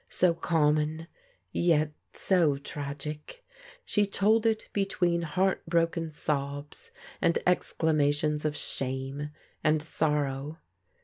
So common, yet so tragic. She told it between heart broken sobs, and exclamations of shame, and sorrow.